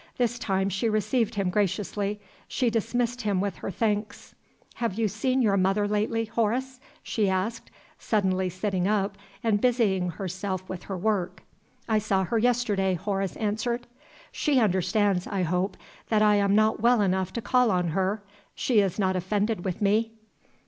This time she received him graciously; she dismissed him with her thanks. "Have you seen your mother lately, Horace?" she asked, suddenly sitting up and busying herself with her work. "I saw her yesterday," Horace answered. "She understands, I hope, that I am not well enough to call on her? She is not offended with me?"